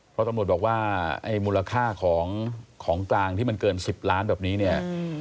เพราะตำรวจบอกว่าไอ้มูลค่าของกลางที่มันเกิน๑๐ล้านแบบนี้เนี่ย